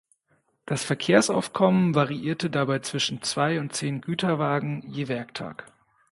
Das Verkehrsaufkommen variierte dabei zwischen zwei und zehn Güterwagen je Werktag.